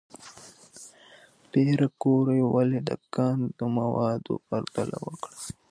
پېیر کوري ولې د کان د موادو پرتله وکړه؟